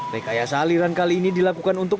rekayasa aliran kali ini dilakukan untuk